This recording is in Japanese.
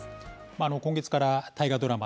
今月から大河ドラマ